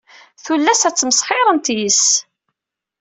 Tullas ad tmesxirent yes-s.